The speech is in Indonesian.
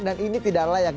dan ini tidak layak